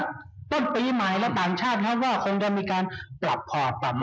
ปลัดหมายและต่างชาติว่าท่านกลมจะมีการปรับขอบ